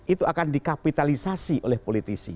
itu akan dikapitalisasi oleh politisi